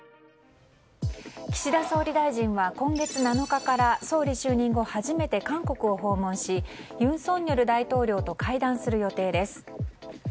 岸田総理大臣は今月７日から総理就任後初めて韓国を訪問し尹錫悦大統領と会談する予定です。